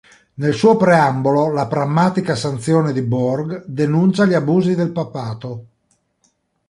Nel suo preambolo la Prammatica Sanzione di Bourges denuncia gli abusi del papato.